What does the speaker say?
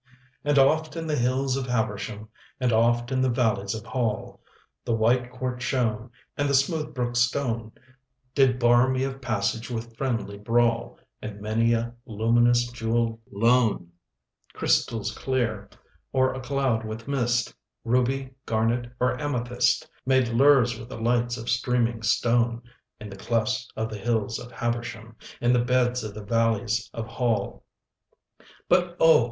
And oft in the hills of Habersham, And oft in the valleys of Hall, The white quartz shone, and the smooth brook stone Did bar me of passage with friendly brawl; And many a luminous jewel lone (Crystals clear or a cloud with mist, Ruby, garnet, or amethyst) Made lures with the lights of streaming stone In the clefts of the hills of Habersham, In the beds of the valleys of Hall. But oh!